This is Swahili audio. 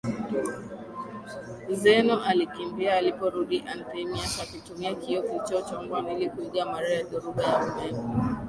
Zeno alikimbia aliporudi Anthemius alitumia kioo kilichochombwa ili kuiga radi na dhoruba za umeme